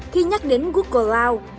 khi nhắc đến google cloud